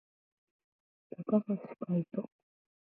高橋海人